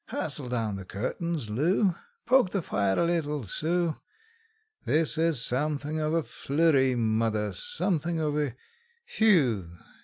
Hustle down the curtains, Lu; Poke the fire a little, Su; This is somethin' of a flurry, mother, somethin' of a whew!